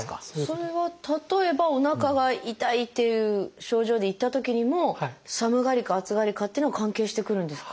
それは例えばおなかが痛いっていう症状で行ったときにも寒がりか暑がりかっていうのが関係してくるんですか？